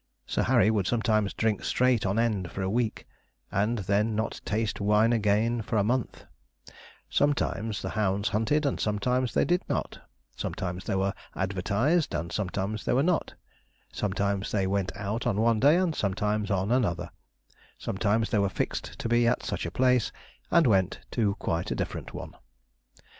Sir Harry would sometimes drink straight on end for a week, and then not taste wine again for a month; sometimes the hounds hunted, and sometimes they did not; sometimes they were advertized, and sometimes they were not; sometimes they went out on one day, and sometimes on another; sometimes they were fixed to be at such a place, and went to quite a different one.